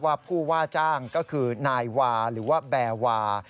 ผู้ว่าจ้างก็คือนายวาหรือว่าแบวา